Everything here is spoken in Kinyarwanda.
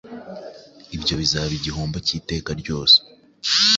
ibyo bizaba igihombo cy’iteka ryose.